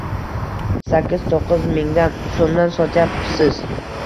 Sakkiz-to'qqiz mingdan so‘mdan sotyapsiz.